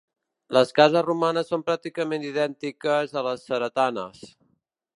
Les cases romanes són pràcticament idèntiques a les ceretanes.